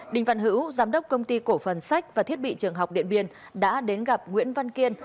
đình văn hữu giám đốc công ty cổ phần sách và thiết bị trường học điện biên đã đến gặp nguyễn văn kiên